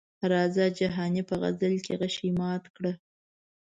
راځه جهاني په غزل کې غشي مات کړه.